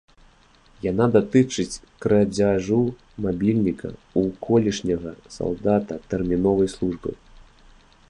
Яна датычыць крадзяжу мабільніка ў колішняга салдата тэрміновай службы.